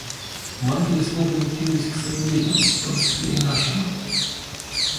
Матери с воплями кинулись к своим детям, в том числе и наша мать.